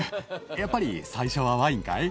やっぱり最初はワインかい？